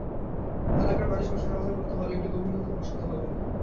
এলাকার পানি সমস্যার সমাধান করতে হলে একটি গভীর নলকূপ বসাতে হবে।